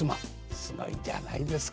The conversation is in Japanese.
すごいじゃないですか。